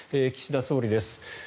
岸田総理です。